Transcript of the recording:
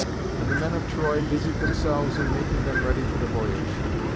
And the men of Troy busied themselves in making them ready for the voyage.